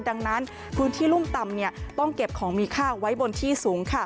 ดังนั้นพื้นที่รุ่มต่ำต้องเก็บของมีค่าไว้บนที่สูง